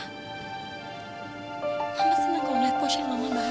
mama senang kalau melihat posyen mama bahagia